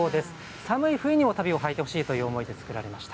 寒い冬にも足袋をはいてほしい思いで作られました。